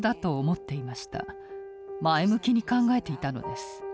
前向きに考えていたのです。